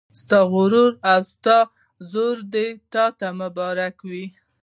ستا غرور او زور دې تا ته مبارک وي